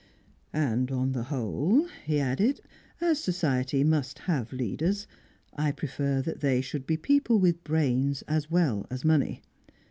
"And on the whole," he added, "as society must have leaders, I prefer that they should be people with brains as well as money.